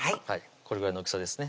これぐらいの大きさですね